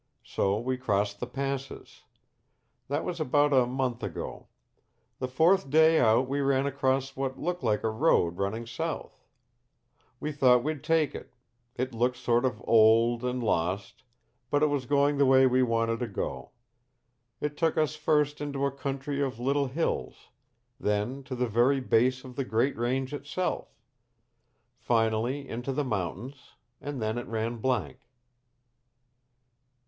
So we crossed the passes. That was about a month ago. The fourth day out we ran across what looked like a road running south. "We thought we'd take it. It looked sort of old and lost but it was going the way we wanted to go. It took us first into a country of little hills; then to the very base of the great range itself; finally into the mountains and then it ran blank."